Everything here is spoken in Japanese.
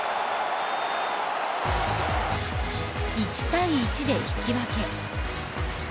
１対１で引き分け。